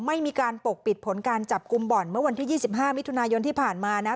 ไม่มีการปกปิดผลการจับกลุ่มบ่อนเมื่อวันที่๒๕มิถุนายนที่ผ่านมานะ